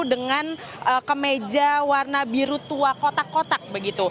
dengan kemeja warna biru tua kotak kotak begitu